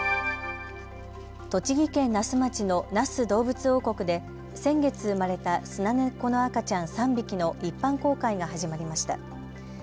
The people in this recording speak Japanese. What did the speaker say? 栃木県那須町の那須どうぶつ王国で先月生まれたスナネコの赤ちゃん３匹の一般公開が始まりました。